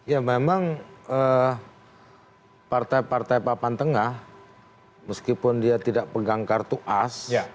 ya memang partai partai papan tengah meskipun dia tidak pegang kartu as